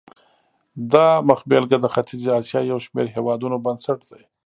دا مخبېلګه د ختیځې اسیا یو شمېر هېوادونو بنسټ دی.